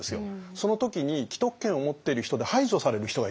その時に既得権を持ってる人で排除される人がいるんですよ。